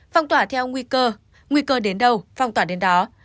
phong tỏa theo nguy cơ nguy cơ đến đâu phong tỏa đến đó